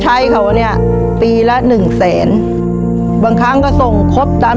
ชีวิตหนูเกิดมาเนี่ยอยู่กับดิน